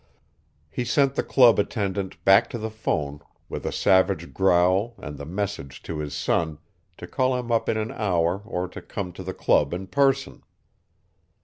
He sent the club attendant back to the phone with a savage growl and the message to his son to call him up in an hour or to come to the club in person.